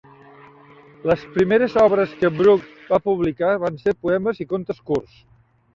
Les primeres obres que Brooks va publicar van ser poemes i contes curts.